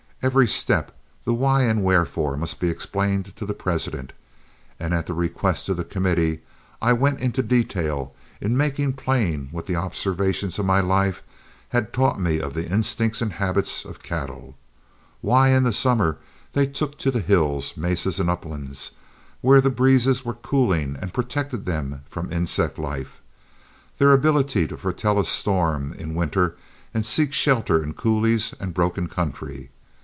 Every step, the why and wherefore, must be explained to the President, and at the request of the committee, I went into detail in making plain what the observations of my life had taught me of the instincts and habits of cattle, why in the summer they took to the hills, mesas, and uplands, where the breezes were cooling and protected them from insect life; their ability to foretell a storm in winter and seek shelter in coulees and broken country.